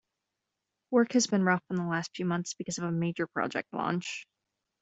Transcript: Work has been rough in the last few months because of a major project launch.